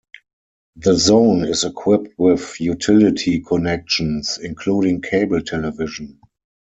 The zone is equipped with utility connections, including cable television.